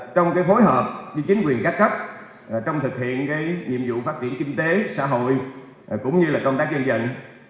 trong phối hợp với chính quyền các cấp trong thực hiện nhiệm vụ phát triển kinh tế xã hội cũng như là công tác dân dân